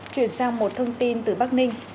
chuyển sang một thông tin từ bắc ninh